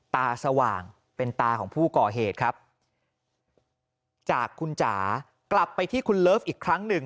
สว่างเป็นตาของผู้ก่อเหตุครับจากคุณจ๋ากลับไปที่คุณเลิฟอีกครั้งหนึ่ง